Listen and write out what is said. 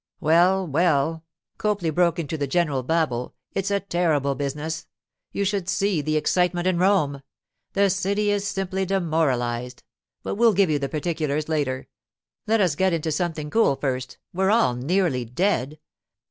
'Well, well,' Copley broke into the general babel, 'it's a terrible business. You should see the excitement in Rome! The city is simply demoralized; but we'll give you the particulars later. Let us get into something cool first—we're all nearly dead.